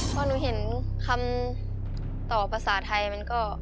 พอหนูเห็นคำต่อภาษาไทยมันก็